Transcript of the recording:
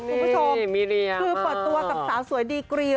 นี่มีเรียมากคุณผู้ชมคือเปิดตัวกับสาวสวยดีกรี